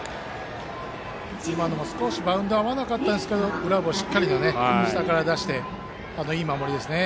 今のも少しバウンドが合わなかったですがグラブをしっかり下から出していい守りですね。